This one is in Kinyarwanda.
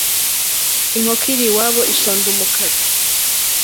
inkoko iri iwabo ishonda umukara